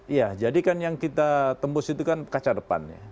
iya jadi kan yang kita tembus itu kan kaca depannya